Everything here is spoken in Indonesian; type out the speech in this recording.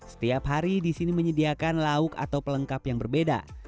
setiap hari di sini menyediakan lauk atau pelengkap yang berbeda